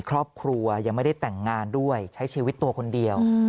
ครอบครัวยังไม่ได้แต่งงานด้วยใช้ชีวิตตัวคนเดียว